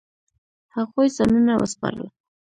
هغوی ځانونه وسپارل.